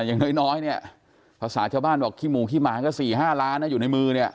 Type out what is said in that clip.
อย่างน้อยเนี่ยภาษาชาวบ้านบอกขี้หมูขี้หมาก็๔๕ล้านนะอยู่ในมือเนี่ย